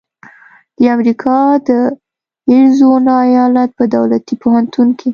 د امریکا د اریزونا ایالت په دولتي پوهنتون کې